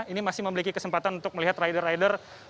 ini masih memiliki kesempatan untuk melihat rider rider